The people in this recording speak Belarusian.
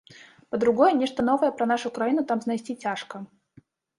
Па-другое, нешта новае пра нашу краіну там знайсці цяжка.